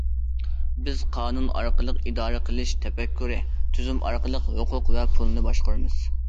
بىز قانۇن ئارقىلىق ئىدارە قىلىش تەپەككۇرى، تۈزۈم ئارقىلىق ھوقۇق ۋە پۇلنى باشقۇرىمىز.